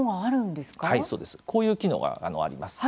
こういう機能があります。